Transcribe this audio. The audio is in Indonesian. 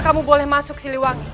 kamu boleh masuk siliwangi